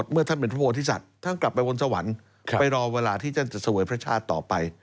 เมื่อท่านเป็นพระโพธิสัตว์ท่านกลับไปบนสวรรค์ไปรอเวลาที่ท่านจะเสวยพระชาติต่อไป